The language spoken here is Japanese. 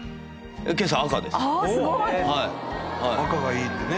すごい！赤がいいってね。